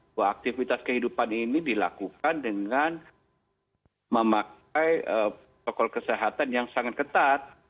bahwa aktivitas kehidupan ini dilakukan dengan memakai protokol kesehatan yang sangat ketat